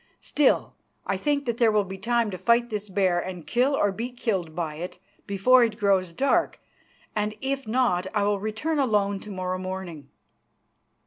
Still, I think that there will be time to fight this bear and kill or be killed by it, before it grows dark, and if not I will return alone to morrow morning."